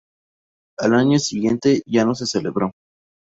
Al año siguiente ya no se celebró.